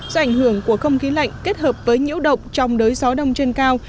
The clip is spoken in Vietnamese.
do ảnh hưởng của không khí lạnh kết hợp với nhiễu động trong đới gió đông trên cao